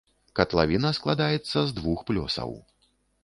Катлавіна складаецца з двух плёсаў.